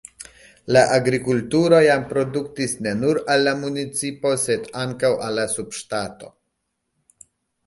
La agrikulturo jam produktis ne nur al la municipo, sed ankaŭ al la subŝtato.